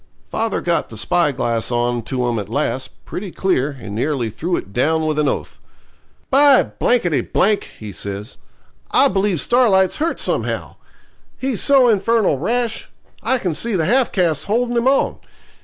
Father got the spyglass on to 'em at last, pretty clear, and nearly threw it down with an oath. 'By !' he says, 'I believe Starlight's hurt somehow. He's so infernal rash. I can see the half caste holding him on.